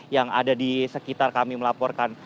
yang ada di sekitar kami melaporkan